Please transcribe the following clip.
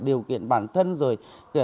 điều kiện bản thân rồi